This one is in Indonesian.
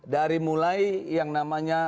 dari mulai yang namanya